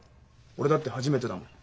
俺だって初めてだもん。